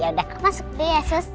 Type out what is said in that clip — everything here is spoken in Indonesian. yaudah aku masuk deh ya suss